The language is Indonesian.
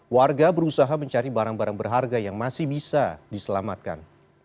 warga berusaha mencari barang barang berharga yang masih bisa diselamatkan